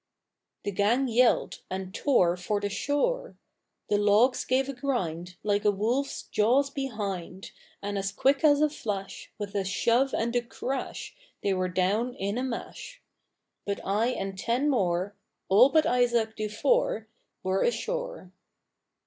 The gang yelled, and tore For the shore; The logs gave a grind, Like a wolf's jaws behind, And as quick as a flash, With a shove and a crash, They were down in a mash. But I and ten more, All but Isaàc Dufour, Were ashore.